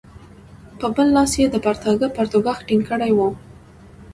په بل لاس یې د پرتاګه پرتوګاښ ټینګ کړی وو.